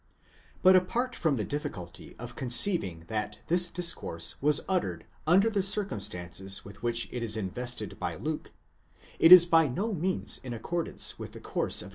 But, apart from the difficulty of conceiving that this discourse was uttered under the circumstances with which it is invested by Luke, it is by no means in accordance with the course οὗ.